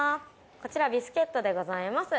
こちらビスケットでございます。